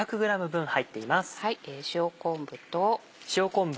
塩昆布と。